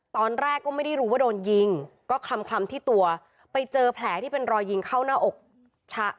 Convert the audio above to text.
ตอนแรกก็ไม่ได้รู้ว่าโดนยิงก็คลำคลำที่ตัวไปเจอแผลที่เป็นรอยยิงเข้าหน้าอกชะ